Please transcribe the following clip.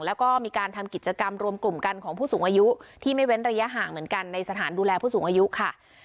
แล้วก็มีการทำกิจกรรมรวมกลุ่มกันของผู้สูงอายุที่ไม่เว้นระยะห่างเหมือนกันในสถานดูแลผู้สูงอายุค่ะ